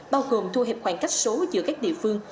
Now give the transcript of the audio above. bao gồm thu hẹp khoảng cách số giữa các địa phương